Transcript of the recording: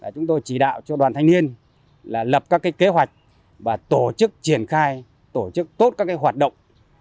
chúng tôi chỉ đạo cho đoàn thanh niên là lập các kế hoạch và tổ chức triển khai tổ chức tốt các hoạt động